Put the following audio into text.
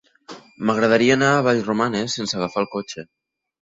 M'agradaria anar a Vallromanes sense agafar el cotxe.